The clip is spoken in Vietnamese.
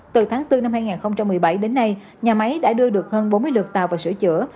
từ tháng bốn năm hai nghìn một mươi bảy đến nay nhà máy đã đưa được hơn bốn mươi lượt tàu vào sửa chữa